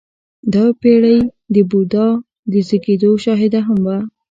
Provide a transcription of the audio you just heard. • دا پېړۍ د بودا د زېږېدو شاهده هم وه.